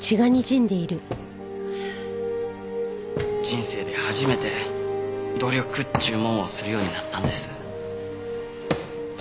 人生で初めて努力っちゅうもんをするようになったんです。